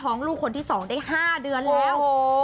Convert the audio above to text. ของลูกภัณฑ์ที่สองได้๕เดือนแล้ว